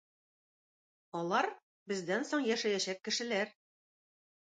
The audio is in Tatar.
Алар - бездән соң яшәячәк кешеләр.